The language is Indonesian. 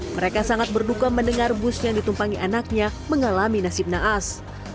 mereka sangat berduka mendengar bus yang ditumpangi anaknya mengalami nasib naas